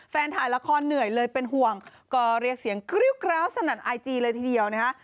ถ่ายละครเหนื่อยเลยเป็นห่วงก็เรียกเสียงกริ้วกร้าวสนั่นไอจีเลยทีเดียวนะคะ